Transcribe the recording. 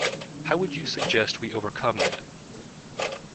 How would you suggest we overcome that?